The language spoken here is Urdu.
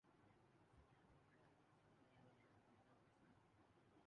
سیاح کو ہندودش کے بلند و بالا پہاڑی سلسوں کا بھی نظارہ کر سکتے ہیں ۔